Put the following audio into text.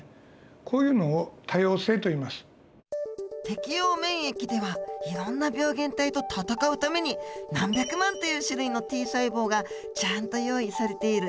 適応免疫ではいろんな病原体と戦うために何百万という種類のＴ細胞がちゃんと用意されている。